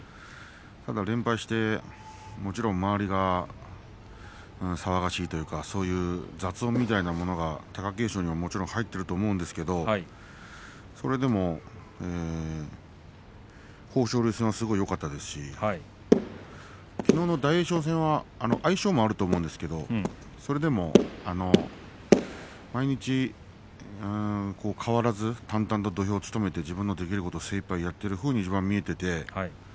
連敗して、もちろん周りが騒がしいというか雑音みたいなものが貴景勝にも入っていると思うんですけれどそれでも豊昇龍戦はすごくよかったですしきのうの大栄翔戦は相性もあると思うんですがそれでも毎日、変わらず淡々と土俵を務めて自分のできることを精いっぱいやっているふうに見えています。